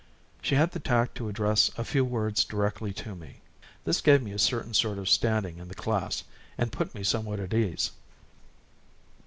She had the tact to address a few words directly to me; this gave me a certain sort of standing in the class and put me somewhat at ease.